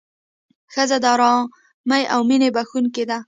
ښځه د ارامۍ او مینې بښونکې ده.